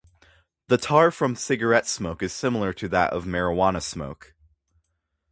The tar from cigarette smoke is similar to that of marijuana smoke.